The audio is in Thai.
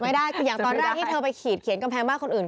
ไม่ได้คืออย่างตอนแรกที่เธอไปขีดเขียนกำแพงบ้านคนอื่น